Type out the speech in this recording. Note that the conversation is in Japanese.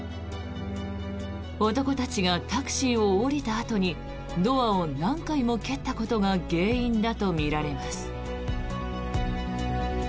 男たちがタクシーを降りたあとにドアを何回も蹴ったことが原因だとみられます。